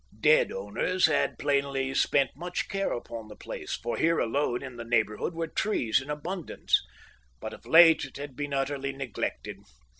Dead owners had plainly spent much care upon the place, for here alone in the neighbourhood were trees in abundance; but of late it had been utterly neglected.